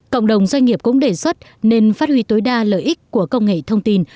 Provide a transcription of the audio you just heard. cộng đồng doanh nghiệp cũng đề xuất nên phát huy tối đa lợi ích của công nghệ thông tin